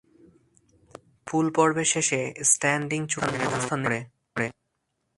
পুল পর্বের শেষে স্ট্যান্ডিং চূড়ান্ত অবস্থান নির্ধারণ করে।